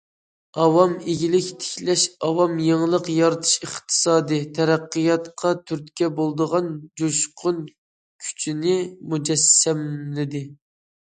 ئاۋام ئىگىلىك تىكلەش، ئاۋام يېڭىلىق يارىتىش ئىقتىسادىي تەرەققىياتقا تۈرتكە بولىدىغان جۇشقۇن كۈچنى مۇجەسسەملىدى.